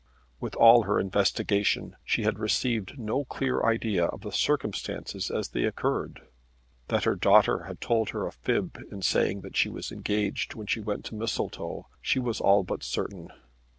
With all her investigation she had received no clear idea of the circumstances as they occurred. That her daughter had told her a fib in saying that she was engaged when she went to Mistletoe, she was all but certain.